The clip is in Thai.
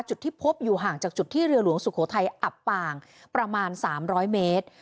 จุดที่พบอยู่ห่างจากจุดที่เรือหลวงสุโขทัยอับปางประมาณ๓๐๐เมตร